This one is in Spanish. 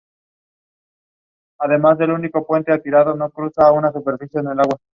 Fue el primer patrón del músico Ludwig van Beethoven.